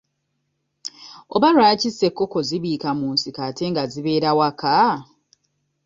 Oba lwaki ssekoko zibiika mu nsiko ate nga zibeera waka?